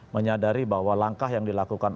menyadari bahwa langkah yang dilakukan